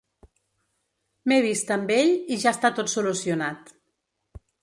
M'he vist amb ell, i ja està tot solucionat.